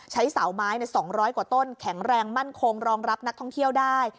เสาไม้๒๐๐กว่าต้นแข็งแรงมั่นคงรองรับนักท่องเที่ยวได้